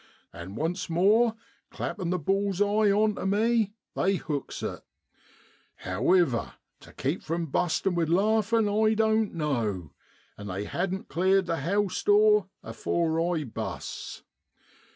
' an' once more clappin' the bull's eye on tu me, they hooks it. Howiver NIXEY LUTKINS. tu keep from bustin' wi' larfin' I didn't know ; and they hadn't cleered the house door afore I busts.